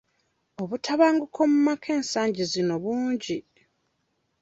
Obutabanguko mu maka ensangi zino bungi.